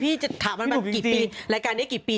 พี่จะถามมากี่ปีรายการนี้กี่ปี